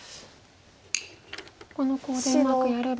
このコウでうまくやれば。